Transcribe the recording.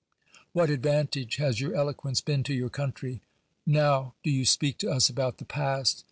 Yvliat advantage has your eloquence been to your country? Now do you speak to us about the past